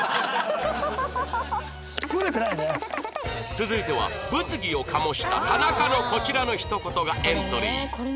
続いては物議を醸した田中のこちらのひと言がエントリー